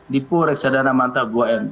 dipo reksadana mantap dua m